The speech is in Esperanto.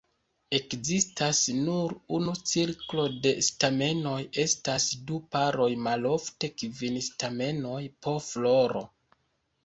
Ekzistas nur unu cirklo de stamenoj, estas du paroj, malofte kvin stamenoj po floro.